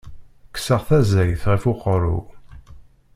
Kkseɣ taẓayt ɣef uqerru-w.